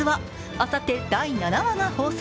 あさって第７話が放送。